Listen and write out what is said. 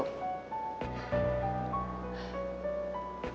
kamu memiliki kekuatan untuk berubah